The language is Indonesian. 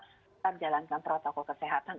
kita jalankan protokol kesehatan